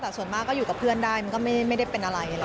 แต่ส่วนมากก็อยู่กับเพื่อนได้มันก็ไม่ได้เป็นอะไร